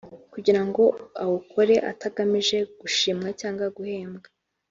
kugira ngo awukore atagamije gushimwa cyangwa guhembwa